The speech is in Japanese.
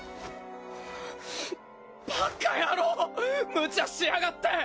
バカ野郎無茶しやがって！